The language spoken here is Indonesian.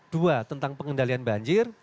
dua tentang pengendalian banjir